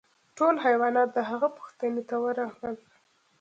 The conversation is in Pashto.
ټول حیوانات د هغه پوښتنې ته ورغلل.